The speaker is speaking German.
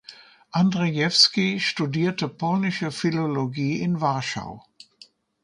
Andrzejewski studierte polnische Philologie in Warschau.